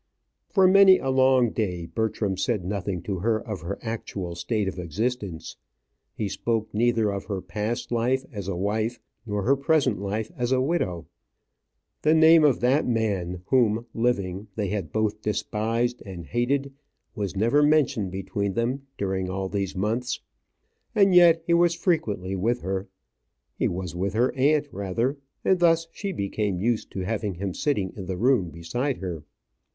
For many a long day Bertram said nothing to her of her actual state of existence. He spoke neither of her past life as a wife nor her present life as a widow. The name of that man, whom living they had both despised and hated, was never mentioned between them during all these months. And yet he was frequently with her. He was with her aunt, rather, and thus she became used to have him sitting in the room beside her.